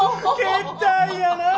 けったいやなあ。